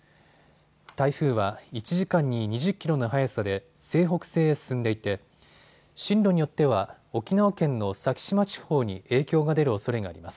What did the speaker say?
台風は１時間に２０キロの速さで西北西へ進んでいて進路によっては沖縄県の先島地方に影響が出るおそれがあります。